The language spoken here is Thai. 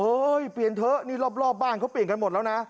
แกรมพิจารณ์ชื่อบอกเปลี่ยนเถอะนี่รอบบ้านเขาเปลี่ยนกันหมดแล้วนะ